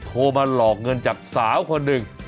โทรมาหลอกเงินจากสาวคนหนึ่ง